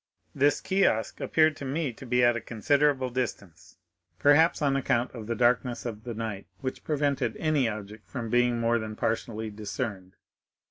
This kiosk appeared to me to be at a considerable distance, perhaps on account of the darkness of the night, which prevented any object from being more than partially discerned.